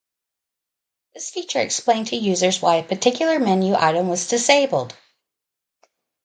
This feature explained to users why a particular menu item was disabled.